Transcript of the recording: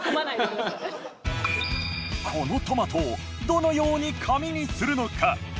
このトマトをどのように紙にするのか？